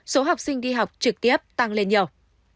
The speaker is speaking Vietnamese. số học sinh đi học trực tiếp tăng lên nhiều